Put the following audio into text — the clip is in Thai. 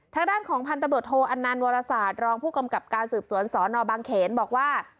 ทางด้านของพันธุ์ตำรวจโทอันนันวรศาสตร์รองผู้กำกับการสืบสวนสนบางเขนบอกว่า